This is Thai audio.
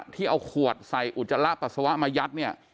ที่เอาขวดใส่อุจจาระปัสสาวะมายัดเนี่ย